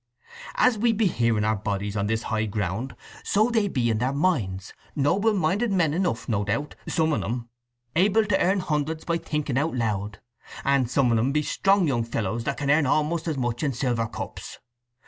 As we be here in our bodies on this high ground, so be they in their minds—noble minded men enough, no doubt—some on 'em—able to earn hundreds by thinking out loud. And some on 'em be strong young fellows that can earn a'most as much in silver cups.